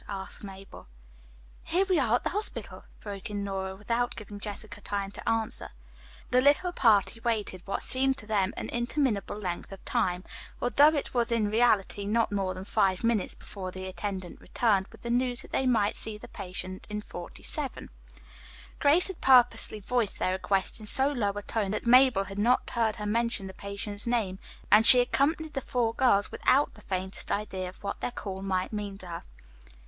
asked Mabel. "Here we are at the hospital," broke in Nora without giving Jessica time to answer. The little party waited what seemed to them an interminable length of time; although it was in reality not more than five minutes before the attendant returned with the news that they might see the patient in 47. Grace had purposely voiced their request in so low a tone that Mabel had not heard her mention the patient's name, and she accompanied the four girls without the faintest idea of what their call might mean to her.